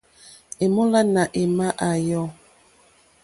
È mólánà émá à yɔ̌.